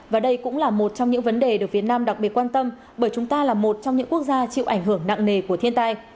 và đây cũng là một trong những vấn đề được việt nam đặc biệt quan tâm bởi chúng ta là một trong những quốc gia chịu ảnh hưởng nặng nề của thiên tai